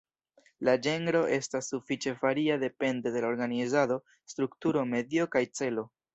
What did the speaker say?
La ĝenro estas sufiĉe varia, depende de la organizado, strukturo, medio kaj celo.